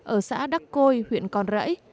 ở xã đắc côi huyện con rẫy